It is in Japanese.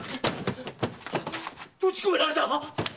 閉じこめられた！